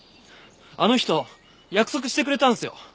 あの人約束してくれたんすよ。